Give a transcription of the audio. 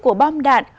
của bom đạn